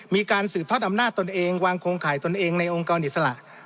มีการสืบทอดอำนาจตนเองวางโครงข่ายตนเองในองค์กรอิสระ